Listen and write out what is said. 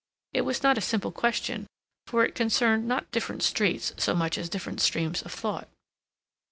It was not a simple question, for it concerned not different streets so much as different streams of thought.